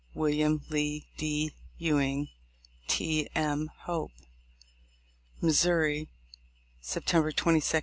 Wm. Lee D. Ewing. T. M. Hope. Missouri, September 22, 1842.